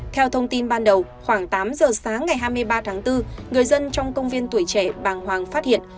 theo thông tin ban đầu khoảng tám giờ sáng ngày hai mươi ba tháng bốn người dân trong công viên tuổi trẻ bàng hoàng phát hiện